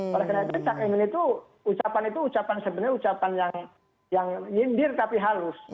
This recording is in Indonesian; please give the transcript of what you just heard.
karena itu cak imin itu ucapan itu ucapan sebenarnya ucapan yang yang nyindir tapi halus